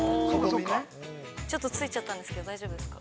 ◆ちょっとついちゃったんですけど、大丈夫ですか。